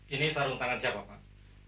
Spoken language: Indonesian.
ini sarung tangan siapa pak